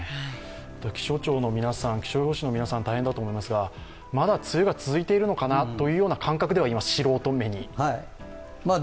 気象庁の皆さん、気象予報士の皆さん、大変だと思いますが、まだ梅雨が続いているのかなという感覚では素人目には思います。